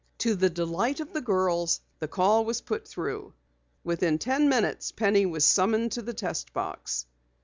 To the delight of the girls, the call was put through. Within ten minutes Penny was summoned to the test box.